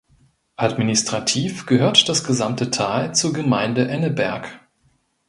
Administrativ gehört das gesamte Tal zur Gemeinde Enneberg.